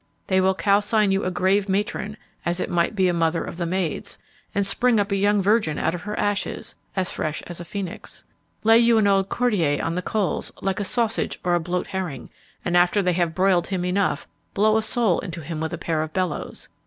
They will calcine you a grave matron, as it might be a mother of the maids, and spring up a young virgin out of her ashes, as fresh as a phoenix; lay you an old courtier on the coals, like a sausage or a bloat herring, and, after they have broiled him enough, blow a soul into him with a pair of bellows!